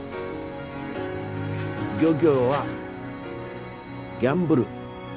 漁業はギャンブル。